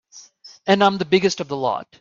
And I'm the biggest of the lot.